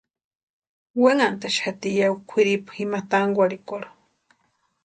Wenhantʼaxati ya kwʼiripu ima tankurhikwarhu.